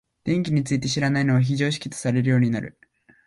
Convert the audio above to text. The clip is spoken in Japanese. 電気について知らないのは非常識とされるようになる。